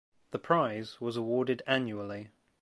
The prize was awarded annually.